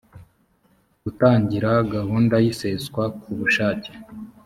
gutangira gahunda y’iseswa ku bushake